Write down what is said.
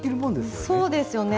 そうですよね。